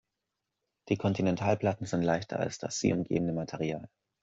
Die Kontinentalplatten sind leichter als das sie umgebende Material.